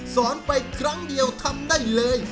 สอนไปครั้งเดียวทำได้เลย